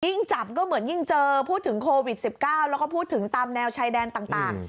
จับก็เหมือนยิ่งเจอพูดถึงโควิด๑๙แล้วก็พูดถึงตามแนวชายแดนต่าง